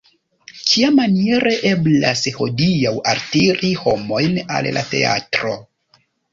Kiamaniere eblas hodiaŭ altiri homojn al la teatro?